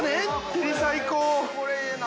◆照り、最高！